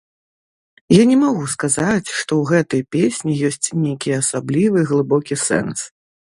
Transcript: Я не магу сказаць, што ў гэтай песні ёсць нейкі асаблівы глыбокі сэнс.